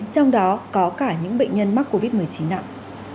trong đó có cả những bệnh nhân mắc covid một mươi chín nặng